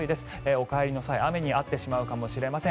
お帰りの際雨に遭ってしまうかもしれません。